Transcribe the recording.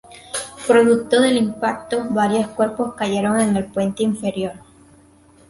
Producto del impacto, varios cuerpos cayeron en el puente inferior.